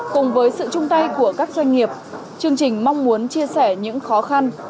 cùng với sự chung tay của các doanh nghiệp chương trình mong muốn chia sẻ những khó khăn